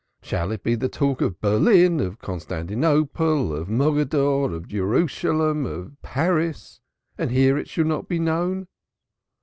Shall it be the talk of Berlin, of Constantinople, of Mogadore, of Jerusalem, of Paris, and here it shall not be known?